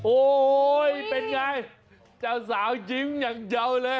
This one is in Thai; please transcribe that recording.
โอ้โหเป็นไงเจ้าสาวจิ้มอย่างเจ้าเลย